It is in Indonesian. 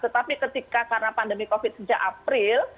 tetapi ketika karena pandemi covid sejak april